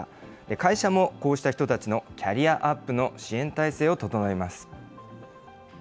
会社もこうした人たちのキャリアアップの支援態勢を整えます。